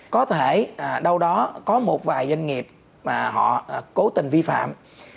có thể đâu đó có một vài doanh nghiệp mà họ cố tình vi phạm